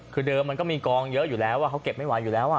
คือเดิมมันก็มีกองเยอะอยู่แล้วเขาเก็บไม่ไหวอยู่แล้ว